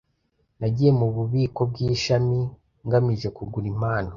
Nagiye mububiko bwishami ngamije kugura impano.